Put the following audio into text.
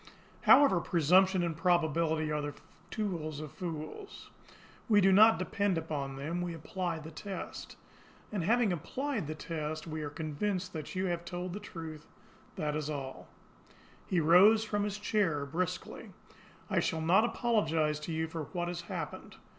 However, presumption and probability are the tools of fools. We do not depend upon them we apply the test. And having applied the test, we are convinced that you have told the truth that is all." He rose from his chair brusquely. "I shall not apologise to you for what has happened.